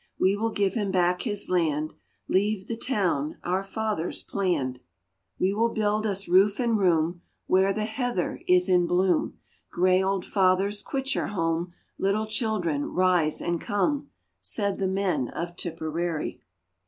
We will give him back his land, Leave the town our fathers planned. NEW TIPPERARY We will build us roof and room Where the heather is in bloom Grey old fathers, quit your home, Little children, rise and come !" Said the men of Tipperary.